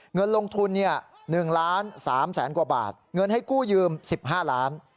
เงินลงทุน๑๓๐๐๐๐๐กว่าบาทเงินให้กู้ยืม๑๕ล้านบาท